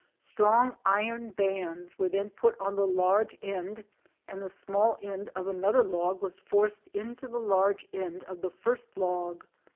Strong iron bands were then put on the large end, and the small end of another log was forced into the large end of the first log.